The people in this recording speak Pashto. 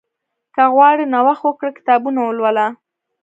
که غواړې نوښت وکړې، کتابونه ولوله.